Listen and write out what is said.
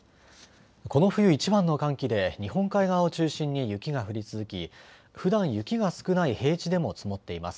この冬いちばんの寒気で日本海側を中心に雪が降り続きふだん雪が少ない平地でも積もっています。